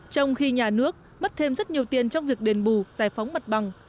trong khi nhà nước mất thêm rất nhiều tiền trong việc đền bù giải phóng mặt bằng